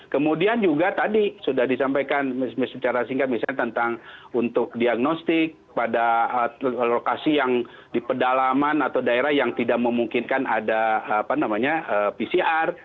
kemudian juga tadi sudah disampaikan secara singkat misalnya tentang untuk diagnostik pada lokasi yang di pedalaman atau daerah yang tidak memungkinkan ada pcr